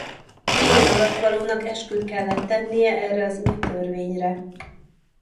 Minden alattvalónak esküt kellett tennie erre az új törvényre.